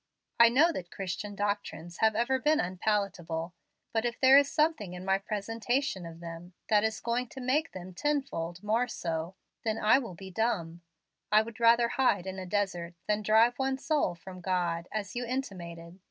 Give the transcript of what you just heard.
I know that Christian doctrines have ever been unpalatable, but if there is something in my presentation of them that is going to make them tenfold more so, then I will be dumb. I would rather hide in a desert than drive one soul from God, as you intimated.